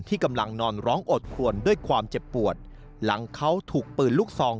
กำลังนอนร้องโอดควรด้วยความเจ็บปวดหลังเขาถูกปืนลูกซอง